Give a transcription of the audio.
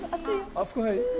熱くない？